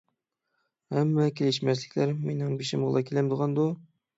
ھەممە كېلىشمەسلىكلەر مېنىڭ بېشىمغىلا كېلەمدىغاندۇ؟